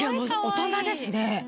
大人ですね